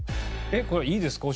これいいですか？